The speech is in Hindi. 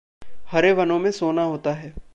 हरे वनों में सोना होता है।